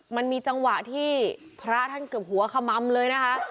มันมีจังหวะที่พระท่านเกือบหัวขมัมเลยนะคะ